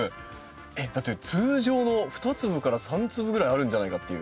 だって通常の２粒から３粒ぐらいあるんじゃないかっていう。